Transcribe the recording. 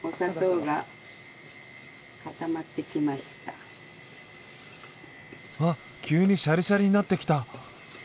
うわっ急にシャリシャリになってきた！